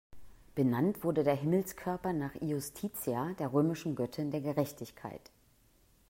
Benannt wurde der Himmelskörper nach Iustitia, der römischen Göttin der Gerechtigkeit.